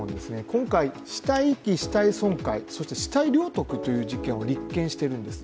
今回、死体遺棄、死体損壊、そして死体領得という事件を立件しているんです。